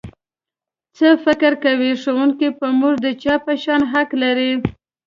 څه فکر کوئ ښوونکی په موږ د چا په شان حق لري؟